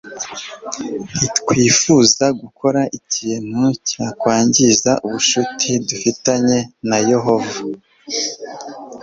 ntitwifuza gukora ikintu cyakwangiza ubucuti dufitanye na yehova